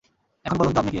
এখন বলুন তো, আপনি কে?